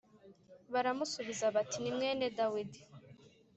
Baramusubiza bati ni mwene Dawidi